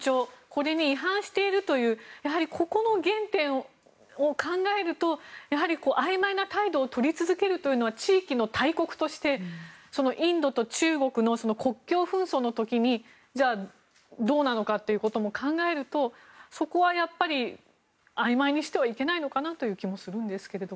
これに違反しているというやはり、ここの原点を考えるとあいまいな態度を取り続けるというのは地域の大国としてインドと中国の国境紛争の時にじゃあどうなのかということも考えるとそこはあいまいにしてはいけないのかなという気もするんですが。